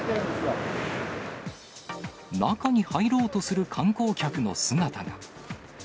中に入ろうとする観光客の姿が。